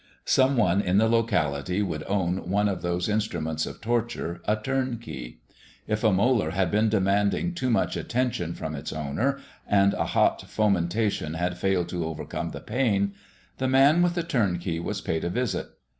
Some one in the locality would own one of those instruments of torture, a turn key. If a molar had been demanding too much attention from its owner, and a hot fomentation had failed to overcome the pain, the man with the turn key was paid a visit.